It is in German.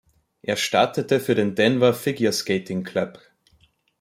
Er startete für den Denver Figure Skating Club.